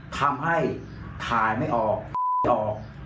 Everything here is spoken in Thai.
ทำให้ถ่ายไม่ออกอี๋ไม่ออก